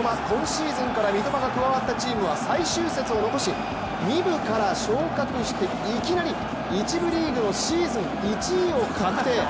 今シーズンから三笘が加わったチームは最終節を残し、２部から昇格していきなり１部リーグのシーズン１位を確定。